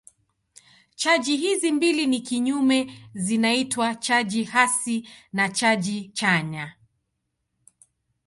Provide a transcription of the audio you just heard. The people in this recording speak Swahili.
Chaji hizi mbili ni kinyume zinaitwa chaji hasi na chaji chanya.